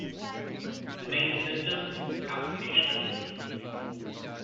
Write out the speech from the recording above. The main symptom is palpitations.